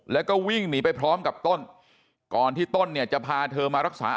แล้วก็วิ่งหนีไปพร้อมกับต้นก่อนที่ต้นเนี่ยจะพาเธอมารักษา